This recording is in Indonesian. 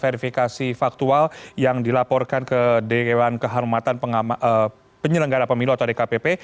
verifikasi faktual yang dilaporkan ke dewan kehormatan penyelenggara pemilu atau dkpp